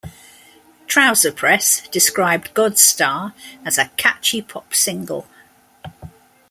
"Trouser Press" described "Godstar" as "a catchy pop single".